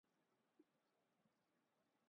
انھوں نے Panama papers case کو زندہ رکھا ہے۔